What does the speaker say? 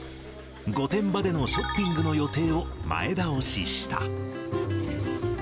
御殿場でのショッピングの予定を前倒しした。